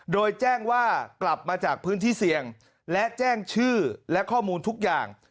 โดยแจ้งว่ากลับมาจากพื้นที่เสี่ยงและแจ้งชื่อและข้อมูลทุกอย่าง